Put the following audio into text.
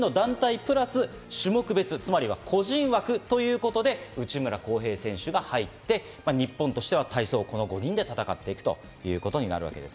プラス種目別、個人枠ということで内村航平選手が入って日本としては体操はこの５人で戦っていくことになります。